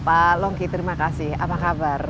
pak longki terima kasih apa kabar